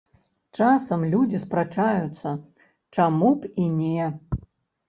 Часам людзі спрачаюцца, чаму б і не.